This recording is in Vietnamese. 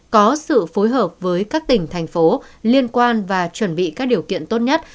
có sự phối hợp với các tỉnh thành phố liên quan và chuẩn bị các điều kiện tốt nhất